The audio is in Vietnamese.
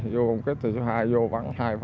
vô công kích số hai vô vắng hai